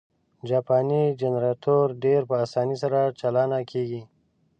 جاپانی جنرټور ډېر په اسانۍ سره چالانه کېږي.